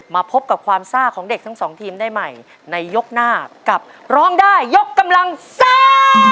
มาพบกับความซ่าของเด็กทั้งสองทีมได้ใหม่ในยกหน้ากับร้องได้ยกกำลังซ่า